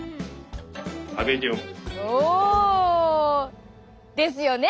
おお。ですよね！